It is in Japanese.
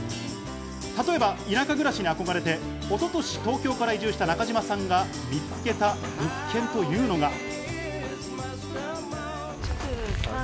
例えば、田舎暮らしに憧れて、一昨年東京から移住した中島さんが見つけた物件というのが。